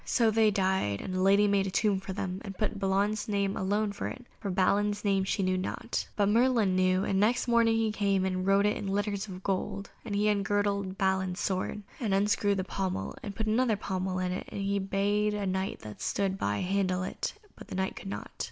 So they died; and the lady made a tomb for them, and put Balan's name alone on it, for Balin's name she knew not. But Merlin knew, and next morning he came and wrote it in letters of gold, and he ungirded Balin's sword, and unscrewed the pommel, and put another pommel on it, and bade a Knight that stood by handle it, but the Knight could not.